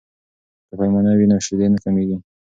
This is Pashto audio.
که پیمانه وي نو شیدې نه کمیږي.